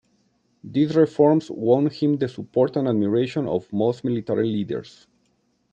These reforms won him the support and admiration of most military leaders.